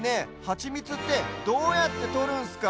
ハチミツってどうやってとるんすか？